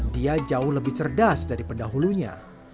dia jauh lebih cerdas dari pendahulunya